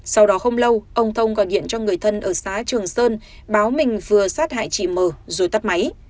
sau đó không lâu ông thông gọi điện cho người thân ở xã trường sơn báo mình vừa sát hại chị mờ rồi tắt máy